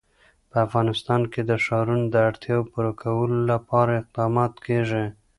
په افغانستان کې د ښارونه د اړتیاوو پوره کولو لپاره اقدامات کېږي.